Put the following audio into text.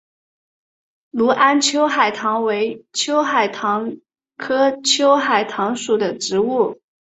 隆安秋海棠为秋海棠科秋海棠属的植物。